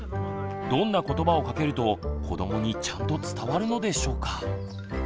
どんな言葉をかけると子どもにちゃんと伝わるのでしょうか。